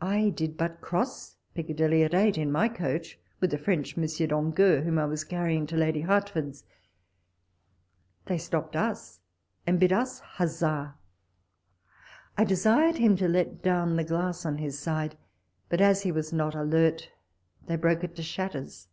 1 did but cross Piccadilly at eight, in my coach with a French Monsieur d'Angeul, whom I was carryirig to Lady Hertford's; they stopped us, and bid us huzza. I desired him to let down the glass on his side, but, as he was not alert, they broke it to shatters.